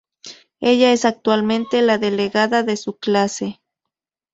Ella es actualmente la delegada de su clase.